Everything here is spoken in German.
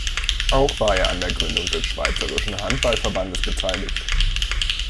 Auch war er an der Gründung des Schweizerischen Handball-Verbands beteiligt.